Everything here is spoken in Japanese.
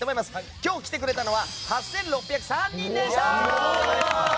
今日来てくれたのは８６０３人でした！